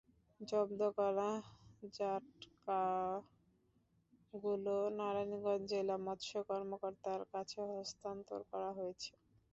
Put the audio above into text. জব্দ করা জাটকাগুলো নারায়ণগঞ্জ জেলা মৎস্য কর্মকর্তার কাছে হস্তান্তর করা হয়েছে।